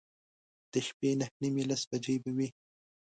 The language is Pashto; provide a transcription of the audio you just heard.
د شپې نهه نیمې، لس بجې به وې.